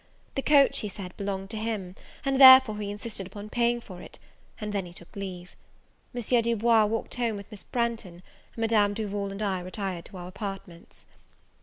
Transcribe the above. The coach, he said, belong to him, and therefore he insisted upon paying for it; and then he took leave. M. Du Bois walked home with Miss Branghton, and Madame Duval and I retired to our apartments.